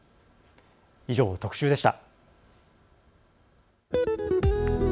以上、特集でした。